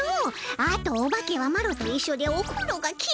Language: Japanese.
あとオバケはマロといっしょでおふろがきらいでの。